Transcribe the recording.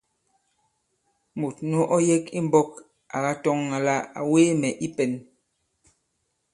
Mùt nu ɔ yek i mbɔ̄k à katɔŋ àlà ǎ wēe wɛ i pɛ̄n.